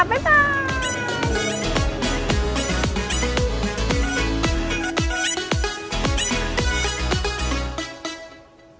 บ๊ายบาย